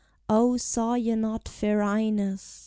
O saw ye not fair Ines?